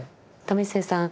為末さん